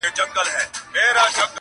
لا یې پخوا دي ورځي سختي نوري،